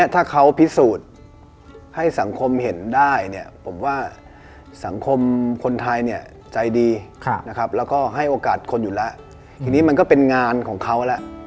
ทีนี้มันก็เป็นงานของเขาและ